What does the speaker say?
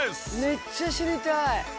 めっちゃ知りたい！